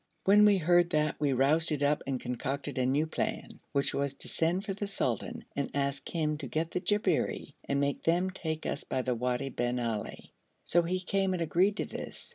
When we heard that we roused up and concocted a new plan, which was to send for the sultan and ask him to get the Jabberi, and make them take us by the Wadi bin Ali; so he came and agreed to this.